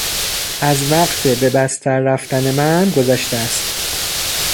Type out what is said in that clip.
از وقت به بستر رفتن من گذشته است.